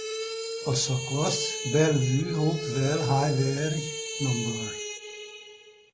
A szakasz Bellevue–Hopewell Highway No.